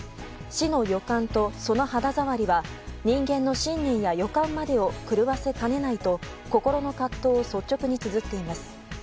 死の予感とその肌触りは人間の信念や予感までを狂わせかねないと心の葛藤を率直につづっています。